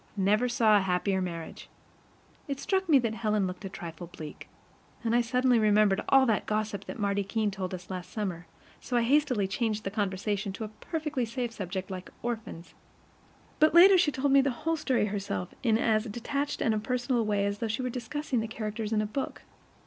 "Never saw a happier marriage." It struck me that Helen looked a trifle bleak, and I suddenly remembered all that gossip that Marty Keene told us last summer; so I hastily changed the conversation to a perfectly safe subject like orphans. But later she told me the whole story herself in as detached and impersonal a way as though she were discussing the characters in a book.